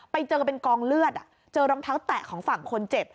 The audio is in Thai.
ไปเจอเป็นกองเลือดเจอรองเท้าแตะของฝั่งคนเจ็บ